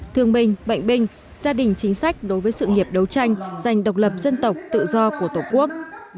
thương binh bệnh binh gia đình chính sách đối với sự nghiệp đấu tranh giành độc lập dân tộc tự do của tổ quốc